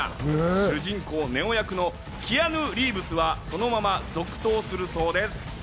主人公・ネオ役のキアヌ・リーブスはそのまま続投するそうです。